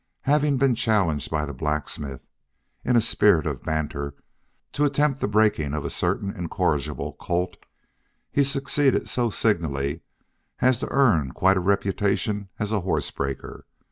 Having been challenged by the blacksmith, in a spirit of banter, to attempt the breaking of a certain incorrigible colt, he succeeded so signally as to earn quite a reputation as a horse breaker.